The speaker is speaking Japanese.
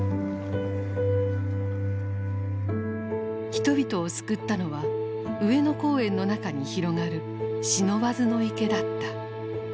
人々を救ったのは上野公園の中に広がる不忍池だった。